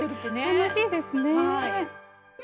楽しいですね。